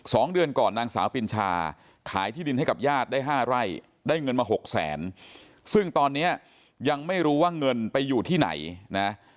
สองเดือนก่อนนางสาวปินชาขายที่ดินให้กับญาติได้ห้าไร่ได้เงินมาหกแสนซึ่งตอนนี้ยังไม่รู้ว่าเงินไปอยู่ที่ไหนนะ